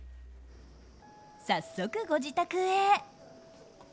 早速、ご自宅へ。